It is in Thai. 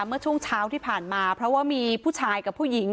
เมื่อช่วงเช้าที่ผ่านมาเพราะว่ามีผู้ชายกับผู้หญิง